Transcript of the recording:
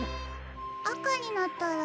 あかになったら？